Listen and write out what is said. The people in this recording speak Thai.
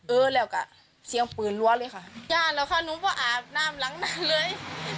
เอ๋อแล้วกะเสียงปืนลวดเลยค่ะย่านเราค่ะนูก็อาฟน้ำหลังหน้าเลย